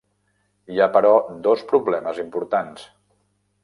Hi ha, però, dos problemes importants.